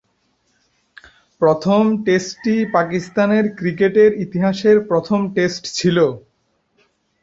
প্রথম টেস্টটি পাকিস্তানের ক্রিকেটের ইতিহাসের প্রথম টেস্ট ছিল।